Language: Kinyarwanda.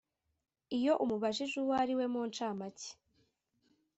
Iyo umubajije uwo ari we mu ncamake